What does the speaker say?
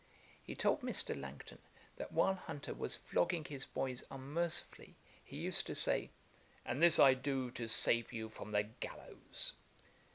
He told Mr. Langton, that while Hunter was flogging his boys unmercifully, he used to say, 'And this I do to save you from the gallows.'